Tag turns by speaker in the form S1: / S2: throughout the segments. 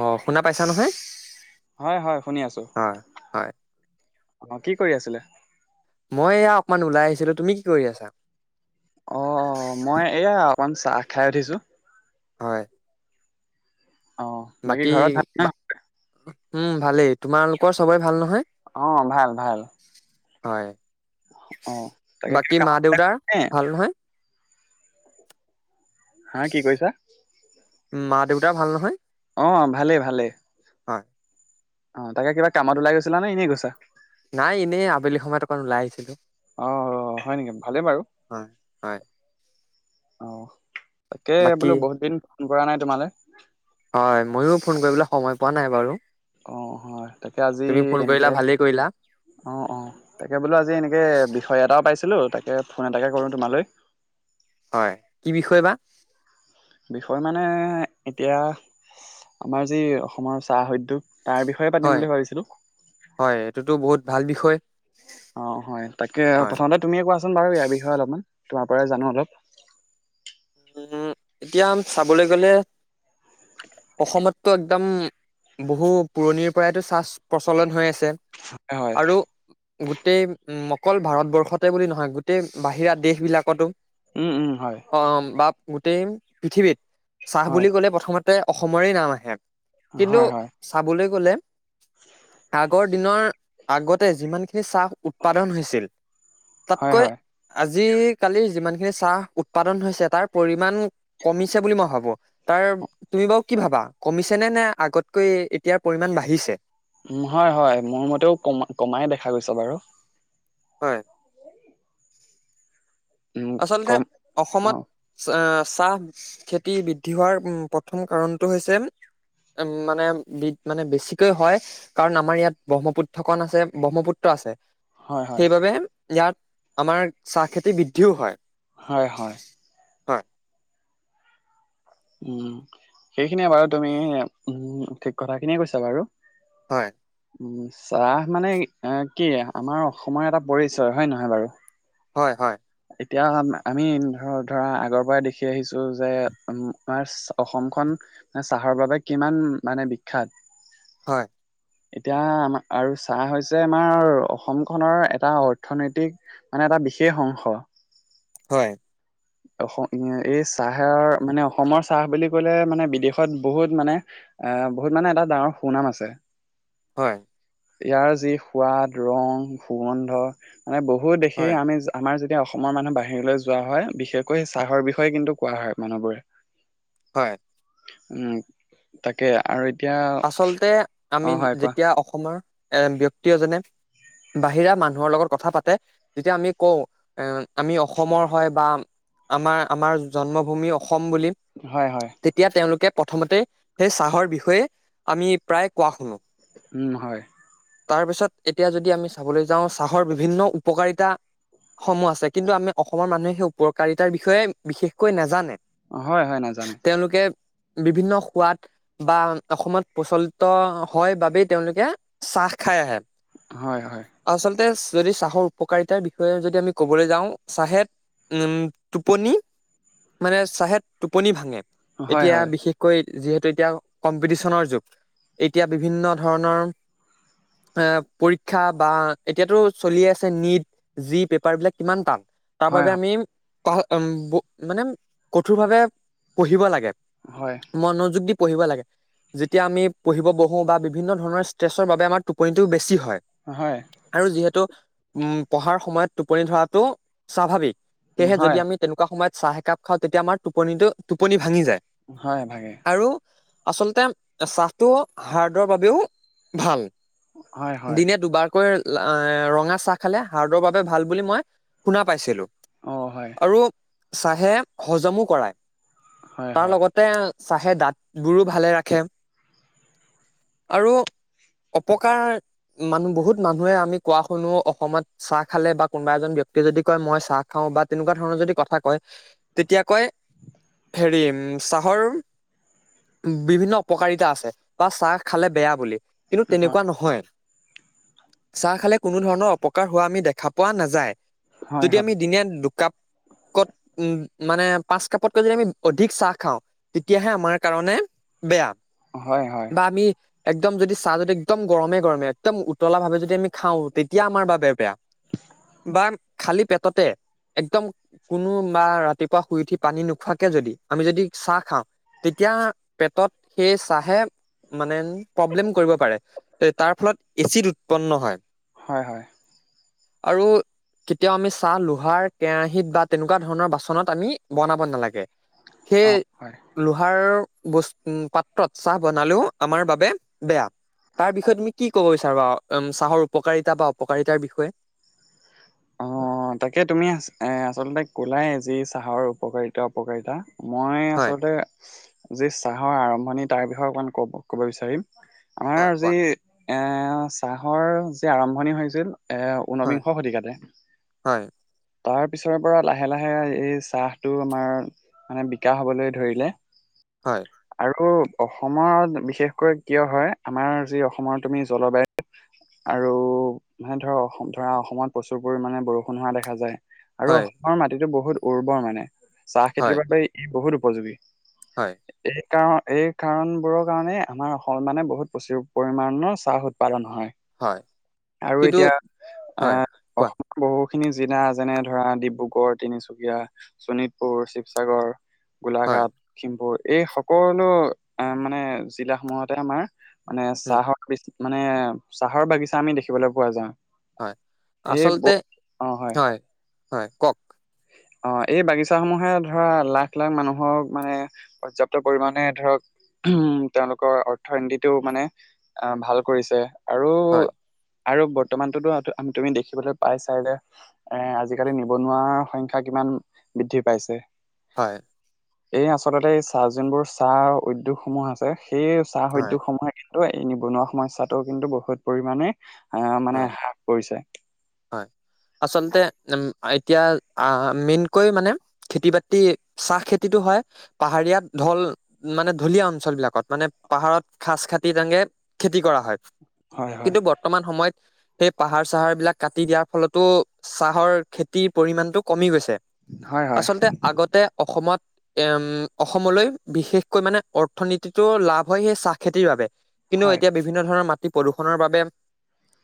S1: অ শুনা পাইছা নহয়?
S2: হয়, হয় শুনি আছোঁ।
S1: হয় হয়
S2: অ কি কৰি আছিলে?
S1: মই এয়া অকমান ওলাই আহিছিলোঁ। তুমি কি কৰি আছা?
S2: অ অ মই এইয়া অকমান চাহ খাই উঠিছোঁ।
S1: হয়।
S2: অ
S1: বাকী
S2: ঘৰত ভাল ন
S1: উম ভালেই। তোমালোকৰ চবৰে ভাল নহয়?
S2: অ ভাল, ভাল।
S1: হয়,
S2: অ তাকে
S1: বাকী
S2: কিবা
S1: মা,
S2: কামত ওলাই
S1: দেউতাৰ
S2: গৈছিলা নে?
S1: ভাল নহয়?
S2: হাঁ কি কৈছা?
S1: মা দেউতাৰ ভাল নহয়?
S2: অ ভালেই, ভালেই।
S1: হয়
S2: অ, তাকে কিবা কামত ওলাই গৈছা নে? এনেই গৈছা।
S1: নাই এনেই আবেলি সময়ত অকণ ওলাই আহিছিলোঁ।
S2: অ হয় নেকি ভালেই বাৰু
S1: হয় হয়
S2: অ। তাকে
S1: বাকী
S2: বোলোঁ বহুত দিন ফোন কৰা নাই তোমালে।
S1: হয় ময়ো ফোন কৰিবলৈ সময় পোৱা নাই বাৰু।
S2: অ হয় তাকে আজি
S1: তুমি ফোন কৰিলা
S2: তেনেকে।
S1: ভালেই কৰিলা
S2: অঁ অঁ তাকে বোলো আজি এনেকে বিষয় এটাও পাইছিলোঁ তাকে ফোন এটাকে কৰোঁ তোমালৈ।
S1: হয় কি বিষয় বা।
S2: বিষয় মানে এতিয়া আমাৰ যি অসমৰ চাহ উদ্যোগ। তাৰ বিষয়ে পাতিম
S1: হয়
S2: বুলি ভাবিছিলোঁ।
S1: হয় এইটোতো বহুত ভাল বিষয়।
S2: অ হয় তাকে
S1: হয়
S2: প্ৰথমতে তুমিয়ে কোৱাচোন বাৰু ইয়াৰ বিষয়ে অলপমান তোমাৰ পৰাই জানো অলপ।
S1: উম এতিয়া চাবলৈ গলে অসমতটো একদম। বহু পুৰণিৰ পৰাইতো চাহ প্ৰচলন হৈ আছে
S2: হয়
S1: আৰু। গোটেই উ অকল ভাৰতবৰ্ষতে বুলি নহয় গোটেই বাহিৰা দেশ বিলাকতো।
S2: উম উম হয়।
S1: অ বা গোটেই পৃথিৱীত চাহ
S2: হয়
S1: বুলি ক'লে প্ৰথমতে অসমৰে নাম আহে। কিন্তু
S2: হয় হয়
S1: চাবলৈ গ'লে আগৰ। দিনৰ আগতে যিমান খিনি চাহ উৎপাদন হৈছিল
S2: হয়
S1: তাতকৈ।
S2: হয়
S1: আজিকালিৰ যিমানখিনি চাহ উৎপাদন হৈছে তাৰ পৰিমান কমিছে বুলি মই ভাবোঁ। তাৰ তুমি বাৰু কি ভাবা কমিছে নে নে আগতকৈ এতিয়াৰ পৰিমান বাঢ়িছে।
S2: উম হয় হয় মোৰ মতেও কমা কমাই দেখা গৈছে বাৰু।
S1: হয়।
S2: উম
S1: আচলতে
S2: কম
S1: অসমত
S2: অ
S1: চাহ খেতি। দি বৃদ্ধি হোৱাৰ প্ৰথম কাৰণটো হৈছে। উম মানে বি মানে বেছিকৈ হয়। কাৰণ আমাৰ ইয়াত ব্ৰহ্মপুত্ৰখন আছে ব্ৰহ্মপুত্ৰ আছে।
S2: হয় হয়
S1: সেইবাবে ইয়াত আমাৰ চাহ খেতি বৃদ্ধিও হয়।
S2: হয় হয়। উম সেইখিনিয়ে বাৰু তুমি উ ঠিক কথাখিনিয়ে কৈছা বাৰু।
S1: হয়।
S2: উ চাহ মানে কি আমাৰ অসমৰ এটা পৰিচয় হয়ে নহয় বাৰু।
S1: হয় হয়।
S2: এতিয়া আমি ধৰ ধৰা আগৰ পৰাই দেখি আহিছো যে আমাৰ অসমখন। চাহৰ বাবে কিমান মানে বিখ্যাত।
S1: হয়।
S2: এতিয়া আমাৰ আৰু চাহ হৈছে আমাৰ অসমখনৰ এটা অৰ্থনৈতিক। মানে এটা বিশেষ অংশ।
S1: হয়।
S2: [inaudible] অস এই চাহৰ মানে অসমৰ চাহ বুলি ক'লে মানে বিদেশত বহুত মানে। এ বহুত মানে এটা ডাঙৰ সুনাম আছে।
S1: হয়।
S2: ইয়াৰ যি সোৱাদ ৰং সুগন্ধ মানে বহুত দেখি
S1: হয়
S2: আমি আমাৰ যি। যেতিয়া অসমৰ মানুহ বাহিৰলৈ যোৱা হয় বিশেষকৈ চাহৰ বিষয়ে কিন্তু কোৱা হয় মানুহবোৰে।
S1: হয়।
S2: উম। তাকে আৰু এতিয়া।
S1: আচলতে
S2: অ
S1: আমি
S2: হয় কোৱা
S1: যেতিয়া অসমৰ এ ব্যক্তি এজনে। বাহিৰা মানুহৰ লগত কথা পাতে। যেতিয়া আমি কওঁ এ আমি অসমৰ হয় বা। আমাৰ আমাৰ জন্মভূমি অসম বুলি।
S2: হয় হয়।
S1: তেতিয়া তেওঁলোকে প্ৰথমতে সেই চাহৰ বিষয়ে আমি প্ৰায় কোৱা শুনো।
S2: উম হয়।
S1: তাৰ পিছত এতিয়া যদি আমি চাবলৈ যাওঁ চাহৰ বিভিন্ন উপকাৰিতা। সমূহ আছে কিন্তু আমি অসমৰ মানুহে সেই উপকাৰিতাৰ বিষয়ে বিশেষকৈ নাজানে।
S2: হয় হয় নাজানে
S1: তেওঁলোকে বিভিন্ন সোৱাদ বা অসমত প্ৰচলিত হয় বাবেই তেওঁলোকে চাহ খাই আহে।
S2: হয় হয়।
S1: আচলতে যদি চাহৰ উপকাৰিতাৰ বিষয়ে যদি আমি ক'বলৈ যাওঁ চাহে। উম টোপনি মানে চাহে টোপনি ভাঙে।
S2: হয়
S1: এতিয়া
S2: হয়
S1: বিশেষকৈ যিহেতু এতিয়া কম্পিটিশনৰ যুগ এতিয়া বিভিন্ন ধৰণৰ। এ পৰীক্ষা বা এতিয়াতো চলিয়ে আছে নীট। যি পেপাৰ বিলাক কিমান টান। তাৰ পা
S2: হয়
S1: যে আমি মানে কঠোৰভাৱে পঢ়িব লাগে।
S2: হয়।
S1: মনোযোগ দি পঢ়িব লাগে। তেতিয়া আমি পঢ়িব বহো বা বিভিন্ন ধৰণৰ ষ্ট্ৰেছৰ বাবে আমাৰ টোপনিটোও বেছি হয়।
S2: হয়।
S1: আৰু যিহেতু উম পঢ়াৰ সময়ত টোপনি ধৰাটো স্বাভাৱিক
S2: উম,
S1: সেয়েহে
S2: হয়
S1: যদি আমি। তেনেকুৱা সময়ত চাহ একাপ খাওঁ তেতিয়া আমাৰ টোপনিটো টোপনি ভাঙি যায়।
S2: হয় হয়।
S1: আৰু আচলতে চাহটো হাৰ্ডৰ বাবেও ভাল।
S2: হয় হয়
S1: দিনে দুবাৰ। বিশেষকৈ ৰঙা চাহ খালে হাৰ্ডৰ বাবে ভাল বুলি মই শুনা পাইছিলো।
S2: অ হয়।
S1: আৰু চাহে হজমো কৰায়
S2: হয়
S1: তাৰ
S2: হয়
S1: লগত। তে চাহে দাঁত বোৰো ভালে ৰাখে। আৰু অপকাৰ মানুহ বহুত মানুহে আমি কোৱা শুনো অসমত। চাহ খালে বা কোনোবা এজন ব্যক্তিয়ে যদি কয় মই চাহ খাওঁ বা তেনেকুৱা ধৰণৰ যদি কথা কয় তেতিয়া কয়। হেৰি উম চাহৰ বিভিন্ন। অপকাৰিতা আছে বা চাহ খালে বেয়া বুলি কিন্তু তেনেকুৱা নহয়। চাহ খালে কোনো ধৰণৰ অপকাৰ হোৱা আমি দেখা পোৱা নাযায়
S2: হয় হয়
S1: যদি
S2: হয়
S1: আমি দিনে দুকাপ। কত উম মানে পাঁচ কাপতকৈ যদি আমি অধিক চাহ খাওঁ। তেতিয়াহে আমাৰ কাৰণে বেয়া।
S2: হয় হয়।
S1: বা আমি। একদম যদি চাহ যদি একদম গৰমে গৰমে একদম উতলা ভাৱে যদি আমি খাওঁ তেতিয়া আমাৰ বাবে বেয়া। বা খালি পেটতে। একদম কোনো বা ৰাতিপুৱা শুই উঠি পানী নোখোৱাকে যদি আমি যদি চাহ খাওঁ। তেতিয়া পেটত সেই চাহে। মানে প্ৰব্লেম কৰিব পাৰে তাৰ ফলত এচিড উৎপন্ন হয়।
S2: হয় হয়।
S1: আৰু। কেতিয়াও আমি চাহ লোহাৰ কেৰাহীত বা তেনেকুৱা ধৰণৰ বাচনত আমি বনাব নালাগে। সেই
S2: অ হয়
S1: লোহাৰ বস্তু। উম পাত্ৰত চাহ বনালেও আমাৰ বাবে বেয়া তাৰ বিষয়ে তুমি কি ক'ব বিচৰা। ৰা উম চাহৰ উপকাৰিতা বা অপকাৰিতাৰ বিষয়ে।
S2: অহ তাকে তুমি এ আচলতে কোলাই যে চাহৰ উপকাৰিতা অপকাৰিতা। মই
S1: হয়।
S2: আচলতে যি চাহৰ আৰম্ভণি তাৰ বিষয়ে অকমান কব ক'ব বিচাৰিম। আমাৰ
S1: হয়
S2: যি
S1: কোৱা
S2: এ, চাহৰ যি আৰম্ভণি হৈছিল এ,।
S1: হয়
S2: ঊনবিংশ শতিকাতে।
S1: হয়।
S2: তাৰ পিছৰে পৰা লাহে লাহে এই চাহটো আমাৰ। মানে বিকাশ হ'বলৈ ধৰিলে।
S1: হয়।
S2: আৰু অসমত বিশেষকৈ কিয় হয়, আমাৰ যি অসমত তুমি জলবায়ু। আৰু মানে ধৰ ধৰা অসমত প্ৰচুৰ পৰিমানমানে বৰষুণ হোৱা দেখ। দেখা যায় আৰু
S1: হয়
S2: অসমৰ মাটিতটো বহুত উৰ্বৰ মানে চাহ
S1: হয়
S2: খেতিৰ বাবে। ই বহুত উপযোগী।
S1: হয়।
S2: এই কাৰ এই কাৰণ বোৰৰ কাৰণে আমাৰ অসম মানে বহুত প্ৰচুৰ পৰিমমানে চাহ উৎপাদন হয়। আৰু
S1: কিন্তু
S2: এতিয়া
S1: হয়
S2: আহ,
S1: কোৱা
S2: অসমৰ বহুখিনি। জিলা যেনে ধৰা ডিব্ৰুগড়, তিনিচুকীয়া, শোণিতপুৰ, শিৱসাগৰ।
S1: হয়
S2: গোলাঘাট খিমপুৰ এই সকলো আহ, মানে জিলা সমূহতে আমাৰ। মানে
S1: উম
S2: চাহৰ মানে চাহৰ বাগিছা আমি দেখিবলৈ পোৱা যাওঁ।
S1: হয়,
S2: এই
S1: আচলতে
S2: ব- অ হয়
S1: হয়-হয় কওক।
S2: অ' এই বাগিচামূহে ধৰা লাখ-লাখ মানুহক মানে পৰ্যাপ্ত পৰিমাণে ধৰক। উম, তেওঁলোকৰ অৰ্থনীতিটোও মানে আহ, ভাল কৰিছে। আৰু
S1: হয়।
S2: আৰু বৰ্তমানটোতো তুমি দেখিবলৈ পাইচাই যে এ, আজিকালি নিবনুৱাৰ সং। সংখ্যা কিমান বৃদ্ধি পাইছে।
S1: হয়।
S2: এই আচলতে চাহ যোনবোৰ চাহ উদ্যোগ সমূহ আছে সেই চাহ
S1: হয়
S2: উদ্যোগ সমূহে। কিন্তু এই নিবনুৱা সমস্যাটো কিন্তু বহুত পৰিমানে আহ, মানে
S1: হয়
S2: হ্ৰাস কৰিছে।
S1: হয়। আচলতে উম, এতিয়া আহ, মেইনকৈ মানে খেতি বাতি চাহ খেতিতটো হয়। পাহাৰীয়া ঢল মানে ঢলীয়া অঞ্চল বিলাকত মানে পাহাৰত খাচ খাতি তেনকে খেতি কৰা হয়
S2: হয় হয়
S1: কিন্তু বৰ্তমান সময়ত। সেই পাহাৰ চাহাৰ বিলাক কাটি দিয়াৰ ফলতো চাহৰ খেতিৰ পৰিমানটো কমি গৈছে।
S2: হয় হয়
S1: আচলতে আগতে অসমত এ, উম, অসমলৈ বিশেষকৈ মানে অৰ্থনীতিতো লাভ হয় সেই চাহ খেতিৰ বাবে। কিন্তু
S2: হয়
S1: এতিয়া বিভিন্ন ধৰণৰ মাটি প্ৰদূষণৰ বাবে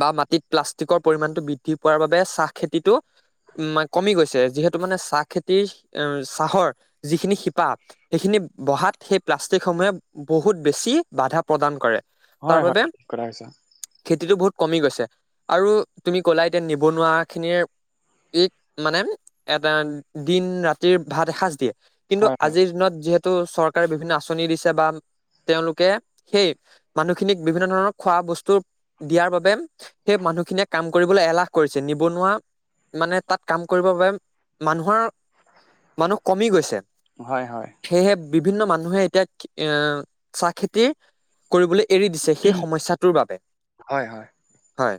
S1: বা মাটিত প্লাষ্টিকৰ পৰিমাণটো বৃদ্ধি পোৱাৰ বাবে চাহ খেতিটো উম, কমি গৈছে যিহেতু মানে চাহ খেতিৰ উম, চাহৰ যিখিনি শিপা সেইখিনি বহাত সেই প্লাষ্টিক সমূহে বহুত বেছি বাধা প্ৰদান কৰে। তাৰ
S2: হয়-হয়
S1: বাবে
S2: ঠিক কথা কৈছা।
S1: খেতিটো বহুত কমি গৈছে আৰু তুমি ক'লা এতিয়া নিবনুৱা খিনিৰ ইক মানে এটা দিন ৰাতিৰ ভাত এসাঁজ দিয়ে। কিন্তু
S2: হয় হয়
S1: আজিৰ দিনত যিহেতু চৰকাৰে বিভিন্ন আঁচনি দিছে বা তেওঁলোকে সেই মানুহখিনিক বিভিন্ন ধৰণৰ খোৱা বস্তু দিয়াৰ বাবে সেই মানুহখিনিয়ে কাম কৰিবলৈ এলাহ কৰিছে। নিবনুৱা মানে তাত কাম কৰিবৰ বাবে মানুহৰ মানুহ কমি গৈছে।
S2: হয়-হয়।
S1: সেয়েহে বিভিন্ন মানুহে এতিয়া চাহ খেতিৰ কৰিবলৈ এৰি দিছে সেই সমস্যাটোৰ বাবে।
S2: হয়-হয়।
S1: হয়,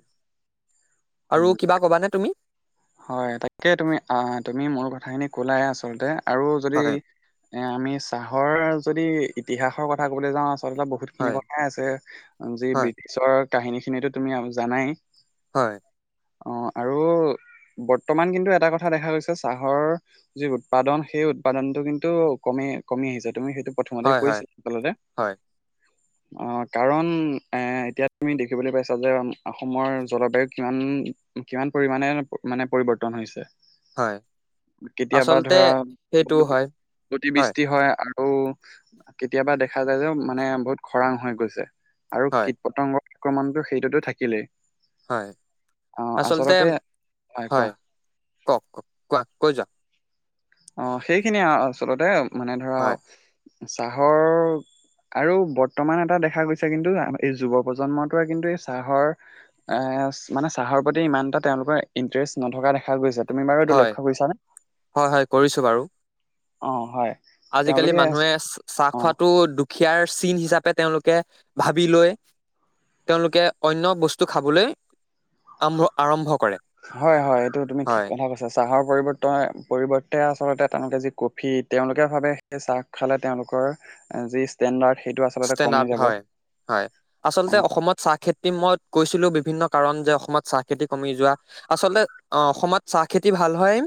S1: আৰু
S2: উম
S1: কিবা কবানে তুমি?
S2: হয় তাকে তুমি অ' তুমি মূল কথাখিনি কলাই আচলতে আৰু যদি
S1: হয়
S2: এ, আমি চাহৰ যদি ইতিহাসৰ কথা কবলৈ যাওঁ আচলতে বহু বহুতখিনি
S1: হয়
S2: কথাই আছে যি
S1: হয়
S2: ব্ৰিটিছৰ কাহিনী খিনিতো তুমি জানাই।
S1: হয়।
S2: অ আৰু বৰ্তমান কিন্তু এটা কথা দেখা গৈছে চাহৰ যি উৎপাদন সেই উৎপাদনটো কিন্তু কমি কমি আহিছে তুমি সেইটো প্ৰথমতে
S1: হয় হয়
S2: কৰিছে আচলতে
S1: হয়
S2: অ কাৰণ এ এতিয়া তুমি দেখিবলৈ পাইছা যে অসমৰ জলবায়ু কিমান? কিমান পৰিমণে মানে পৰিৱৰ্তন হৈছে?
S1: হয়
S2: কেতিয়াবা
S1: আচলতে
S2: ধৰা
S1: সেইটো হয়
S2: গতিবৃষ্টি হয় আৰু কেতিয়াবা দেখা যায় যে মানে বহুত খৰাং হৈ গৈছে। আৰু
S1: হয়
S2: কীট পতংগৰ আক্ৰমণটো সেইটোতো থাকিলেই।
S1: হয় আচলতে হয় কওক কক কোৱা কৈ যোৱাও।
S2: অ সেইখিনিয়ে আচলতে মানে ধৰা
S1: হয়
S2: চাহৰ আৰু বৰ্তমান এটা দেখা গৈছে কিন্তু এই যুৱ প্ৰজন্মটোৱে কিন্তু এই চাহৰ এ মানে চাহৰ প্ৰতি ইমান এটা তেওঁলোকৰ ইণ্টাৰেষ্ট নথকা দেখা গৈছে। তুমি বাৰু এইটো
S1: হয়
S2: লক্ষ্য কৰিছানে
S1: হয় হয় কৰিছো বাৰু
S2: অ হয়।
S1: আজিকালি
S2: তেওঁলোকে
S1: মানুহে চাহ
S2: অ
S1: খোৱাটো দুখীয়াৰ চিন হিচাপে তেওঁলোকে ভাবি লয়। তেওঁলোকে অন্য বস্তু খাবলৈ আৰম্ভ আৰম্ভ কৰে।
S2: হয় হয় এইটো তুমি ঠিক
S1: হয়
S2: কথা কৈছা। চাহৰ পৰিৱৰ্ত পৰিৱৰ্তে আচলতে তেওঁলোকে যি কফি তেওঁলোকে ভাৱে। চাহ খালে তেওঁলোকৰ যি ষ্টেণ্ডাৰ্ড সেইটো আচলতে কমি
S1: ষ্টেণ্ডাৰ্ড
S2: যাব।
S1: হয় হয়।
S2: অ
S1: আচলতে অসমত চাহ খেতি মই কৈছিলো বিভিন্ন কাৰণ যে অসমত চাহ খেতি কমি যোৱা। আচলতে অ অসমত চাহ খেতি ভাল হয়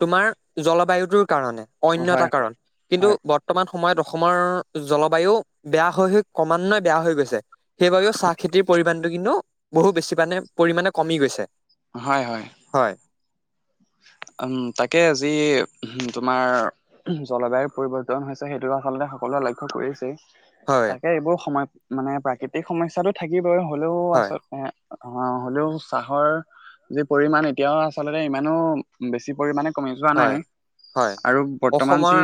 S1: তোমাৰ জলবায়ুটোৰ কাৰণে। অন্য এটা
S2: হয়
S1: কাৰণ কিন্তু
S2: হয়
S1: বৰ্তমান সময়ত অসমৰ জলবায়ু। বেয়া হৈ হৈ ক্ৰমান্বয়ে বেয়া হৈ গৈছে। সেইবাবেও চাহ খেতিৰ পৰিমাণটো কিন্তু বহু বেছি মানে পৰিমাণে কমি গৈছে।
S2: হয় হয়।
S1: হয়।
S2: উম তাকে আজি তোমাৰ। জলবায়ুৰ পৰিৱৰ্তন হৈছে সেইটো আচলতে সকলোৱে লক্ষ্য কৰিছেই।
S1: হয়
S2: তাকে এইবোৰ সময় মানে প্ৰাকৃতিক সমস্যাটো থাকিবই হ'লেও
S1: হয়
S2: আচলতে। অ হ'লেও চাহৰ যি পৰিমণ এতিয়াও আচলতে ইমানো বেছি পৰিমাণে। সিমানো কমি যোৱা নাই
S1: হয় হয়
S2: আৰু বৰ্তমান
S1: অসমৰ
S2: যি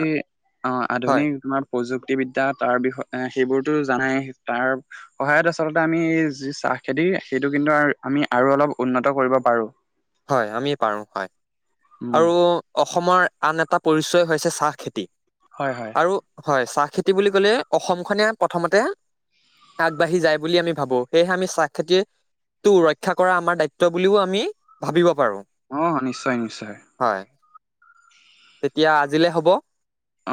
S1: হয়
S2: আধুনিক তোমাৰ। প্ৰযুক্তিবিদ্যা তাৰ বিষয় এ সেইবোৰতো জানাই তাৰ। সহায়ত আচলতে আমি এই যি চাহ খেতি সেইটো কিন্তু আমি আৰু অলপ উন্নত কৰিব পাৰো।
S1: হয় আমি পাৰো হয়
S2: উম
S1: আৰু। অসমৰ আন এটা পৰিচয় হৈছে চাহ খেতি।
S2: হয় হয়।
S1: আৰু হয় চাহ খেতি বুলি ক'লে অসম খনে প্ৰথমতে। আগবাঢ়ি যায় বুলি আমি ভাবো সেয়েহে আমি চাহ খেতি। টো ৰক্ষা কৰা আমাৰ দায়িত্ব বুলিও আমি ভাবিব পাৰোঁ।
S2: অ নিশ্চয় নিশ্চয়।
S1: হয় তেতিয়া আজিলে হ'ব।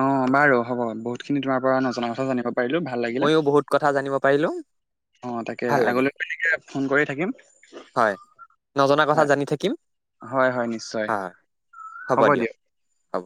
S2: অ বাৰু হ'ব বহুত খিনি তোমাৰ পৰা নজনা কথা জানিব পাৰিলোঁ।
S1: মইয়ো বহুত কথা জানিব পাৰিলোঁ।
S2: অ তাকে আগলৈ ফোন কৰি থাকিম।
S1: হয় নজনা কথা
S2: হয়
S1: জানি থাকিম
S2: হয় হয় নিশ্চয়
S1: হয় হ'ব দিয়ক। হ'ব